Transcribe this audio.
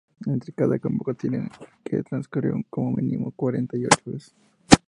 Entre cada convocatoria tienen que transcurrir como mínimo cuarenta y ocho horas.